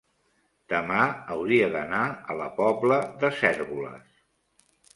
demà hauria d'anar a la Pobla de Cérvoles.